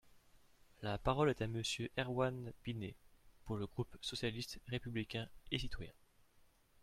La parole est à Monsieur Erwann Binet, pour le groupe socialiste, républicain et citoyen.